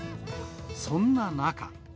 そんな中。